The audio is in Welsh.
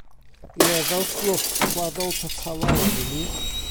Ie, fel fflwff, gwaddol petalau am wn i.